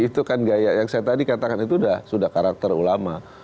itu kan gaya yang saya tadi katakan itu sudah karakter ulama